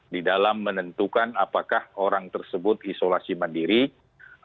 di dalam menentukan apakah orang tersebut isolasi mandiri